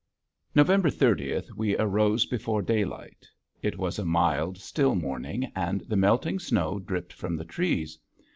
November thirtieth we arose before daylight. It was a mild, still morning and the melting snow dripped from the trees.